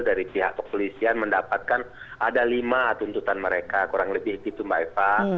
dari pihak kepolisian mendapatkan ada lima tuntutan mereka kurang lebih gitu mbak eva